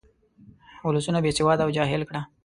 ولسونه بې سواده او جاهل کړه.